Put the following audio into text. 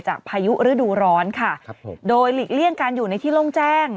พายุฤดูร้อนค่ะครับผมโดยหลีกเลี่ยงการอยู่ในที่โล่งแจ้ง